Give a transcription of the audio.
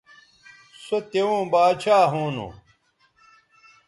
سو توؤں باچھا ھونو